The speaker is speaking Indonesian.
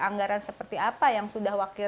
anggaran seperti apa yang sudah wakil